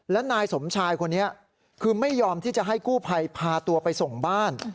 และนายสมชายคนนี้คือไม่ยอมที่จะให้กู้ภัยพาตัวไปส่งบ้าน